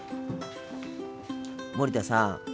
森田さん